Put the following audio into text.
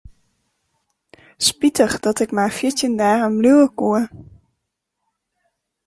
Spitich dat ik mar fjirtjin dagen bliuwe koe.